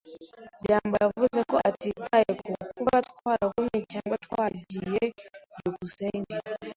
byambo yavuze ko atitaye ku kuba twaragumye cyangwa twagiye. byukusenge